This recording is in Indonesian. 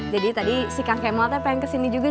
jadi tadi si kang kemal teh pengen kesini juga